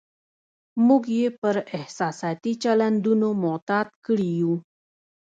موږ یې پر احساساتي چلندونو معتاد کړي یو.